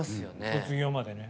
卒業までね。